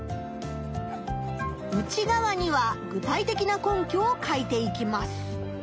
内がわには具体的な根拠を書いていきます。